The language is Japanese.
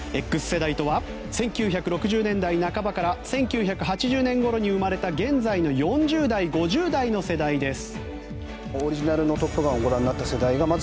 Ｘ世代とは１９６０年代半ばから１９８０年ごろに生まれた現在の４０代、５０代の世代です。